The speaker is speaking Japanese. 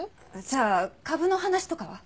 じゃあ株の話とかは？